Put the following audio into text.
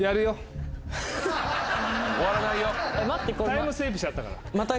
タイムスリップしちゃったから。